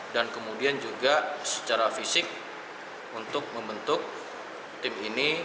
dan kemudian juga secara fisik untuk membentuk tim ini